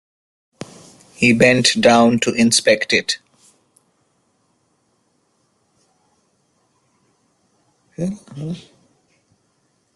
He bent down to inspect it.